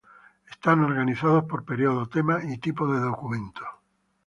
Están organizados por período, tema y tipo de documento.